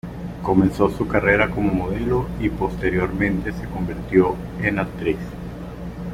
Comenzó su carrera como modelo y posteriormente se convirtió en actriz.